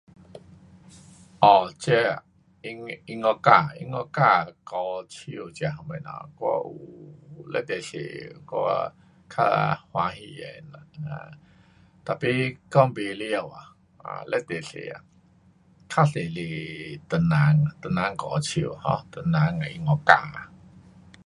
um 这音乐家音乐家靠手这份东西我有十分多我呀较喜欢的 [um]tapi 讲不完呀 um 十分多啊。较多是华人。华人歌手 um 华人的音乐家。